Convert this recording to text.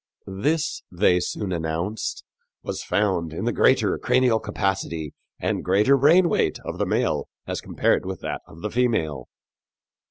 This, they soon announced, was found in the greater cranial capacity and greater brain weight of the male as compared with that of the female.